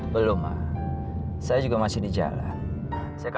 dan dia akan menanggang perintah mereka